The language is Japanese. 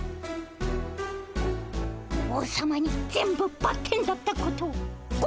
王様に全部バッテンだったことをご